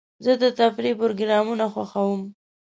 زه د تفریح پروګرامونه خوښوم.